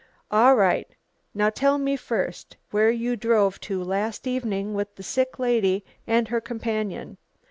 "All right. Now tell me first where you drove to last evening with the sick lady and her companion?"